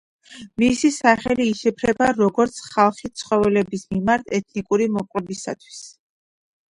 მისი სახელი იშიფრება როგორც „ხალხი ცხოველების მიმართ ეთიკური მოპყრობისთვის“.